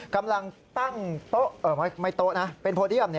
กำลังตั้งโต๊ะไม่โต๊ะนะเป็นโพเดียม